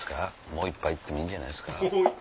もう１杯行ってもいいんじゃないですか。